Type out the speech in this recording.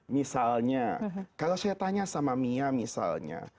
misalnya kalau saya tanya sama mia misalnya